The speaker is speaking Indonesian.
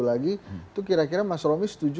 lagi itu kira kira mas romi setuju